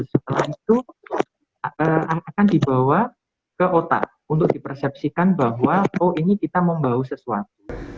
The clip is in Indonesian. setelah itu anak akan dibawa ke otak untuk dipersepsikan bahwa oh ini kita membawa sesuatu